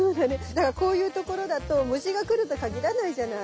だからこういう所だと虫が来ると限らないじゃない。